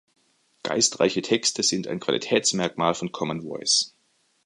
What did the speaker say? Geistreiche Texte sind ein Qualitätsmerkmal von Common Voice.